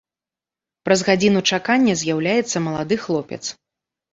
Праз гадзіну чакання з'яўляецца малады хлопец.